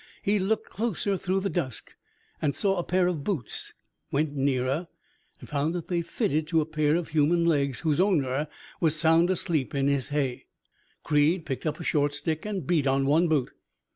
He looked closer through the dusk, and saw a pair of boots; went nearer, and found that they were fitted to a pair of human legs whose owner was sound asleep in his hay. Creed picked up a short stick and beat on one boot.